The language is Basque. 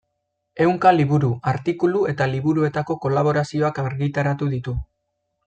Ehunka liburu, artikulu eta liburuetako kolaborazioak argitaratu ditu.